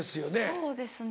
そうですね